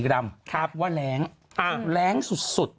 แรงสุด